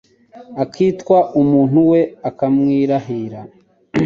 akitwa umuntu we akamwirahira